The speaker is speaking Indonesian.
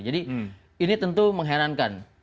jadi ini tentu mengherankan